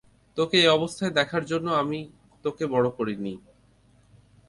তোকে এই অবস্থায় দেখার জন্য আমি তোকে বড় করিনি।